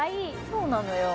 そうなのよ。